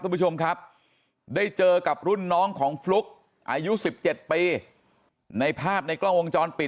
คุณผู้ชมครับได้เจอกับรุ่นน้องของฟลุ๊กอายุ๑๗ปีในภาพในกล้องวงจรปิด